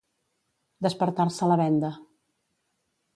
Despertar-se la venda.